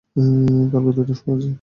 কালকে দুইটা শো আছে।